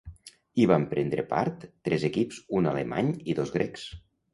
Hi van prendre part tres equips, un alemany i dos grecs.